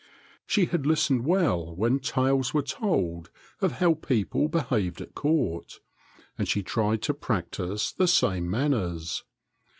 She had listened well when tales were told of how people behaved at court, and she tried to practice the same manners.